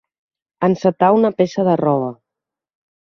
Encetar una peça de roba.